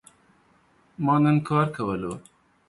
ما نن کار کولو